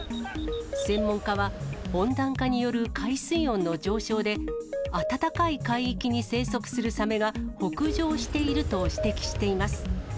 専門家は、温暖化による海水温の上昇で、暖かい海域に生息するサメが北上していると指摘しています。